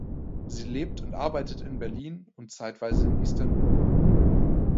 Sie lebt und arbeitet in Berlin und zeitweise in Istanbul.